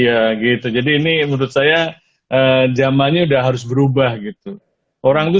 untuk patuh ya pak ya iya gitu jadi ini menurut saya zamannya udah harus berubah gitu orang tuh